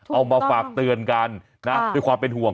เอามาฝากเตือนกันนะด้วยความเป็นห่วง